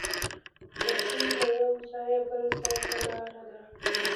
رسۍ له یو ځایه بل ځای ته لاره ده.